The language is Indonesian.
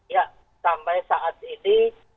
ya sampai saat ini